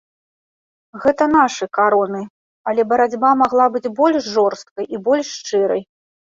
Гэта нашы кароны, але барацьба магла быць больш жорсткай і больш шчырай.